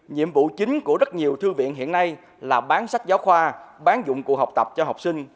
nhiệm vụ chính của rất nhiều thư viện hiện nay là bán sách giáo khoa bán dụng cụ học tập cho học sinh